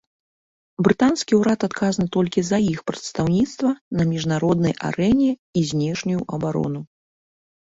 Брытанскі ўрад адказны толькі за іх прадстаўніцтва на міжнароднай арэне і знешнюю абарону.